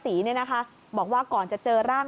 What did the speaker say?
ป้าของน้องธันวาผู้ชมข่าวอ่อน